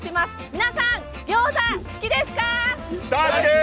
皆さんギョーザは好きですか？